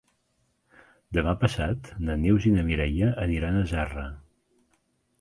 Demà passat na Neus i na Mireia aniran a Zarra.